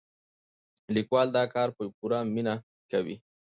لیکوال دا کار په پوره مینه کوي.